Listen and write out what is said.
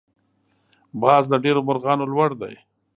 باز له ډېرو مرغانو لوړ دی